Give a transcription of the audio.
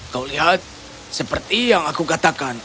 kau lihat seperti yang aku katakan